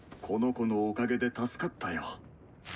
この子のおかげで助かったよ。